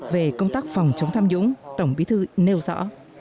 về công tác phòng chống tham nhũng tổng bí thư nêu rõ